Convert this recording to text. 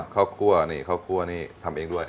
ข้าวคั่วนี่ทำเองด้วย